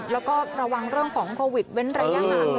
แล้วก็ระวังเรื่องของโควิดเว้นระยะห่างกันด้วยนะฮะ